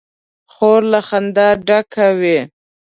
خور له خندا ډکه وي.